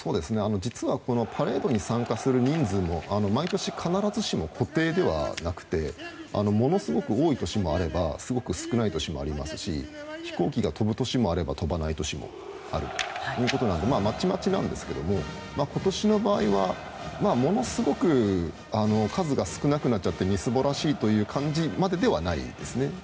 このパレードに参加する人数も毎年必ずしも固定ではなくてものすごく多い年もあればすごく少ない年もありますし飛行機が飛ぶ年もあれば飛ばない年もあるということなのでまちまちなんですが今年の場合はものすごく数が少なくなっちゃってみすぼらしいという感じまでではないですね。